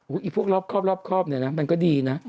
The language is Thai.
อุ๊ยพวกรอบคอบนี่นะมันก็ดีนะ